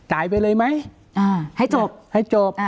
หรอฮะ